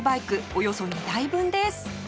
およそ２台分です